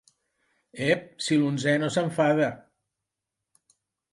Ep! si l'onzè no s'enfada...